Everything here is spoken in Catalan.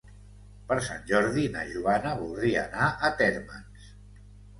Per Sant Jordi na Joana voldria anar a Térmens.